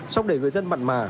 sóc để người dân mặn mà